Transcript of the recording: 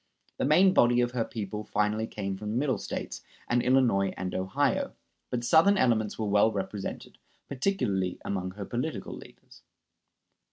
The main body of her people finally came from the Middle States, and Illinois and Ohio; but Southern elements were well represented, particularly among her political leaders.